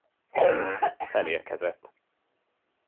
Felérkezett.